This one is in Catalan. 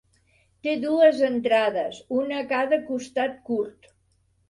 Té dues entrades, una a cada costat curt.